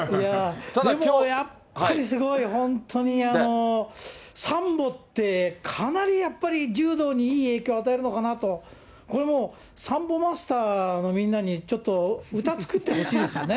でもやっぱり、すごい本当に、サンボってかなりやっぱり、柔道にいい影響を与えるのかなと、これもう、サンボマスターのみんなに、ちょっと歌作ってほしいですよね。